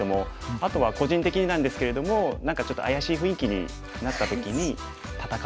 あとは個人的になんですけれども何かちょっと怪しい雰囲気になった時に戦わないことですね。